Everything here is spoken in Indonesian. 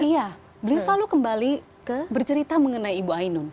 iya beliau selalu kembali ke bercerita mengenai ibu ainun